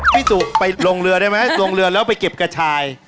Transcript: พี่สุไปลงเรือได้ไหมลงเรือแล้วไปเก็บกระชาย